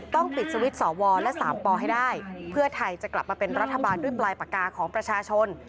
ต้องปิดสวิตช์สวและ๓ปให้ได้เพื่อไทยจะกลับมาเป็นรัฐบาลด้วยปลายปากกาของประชาชน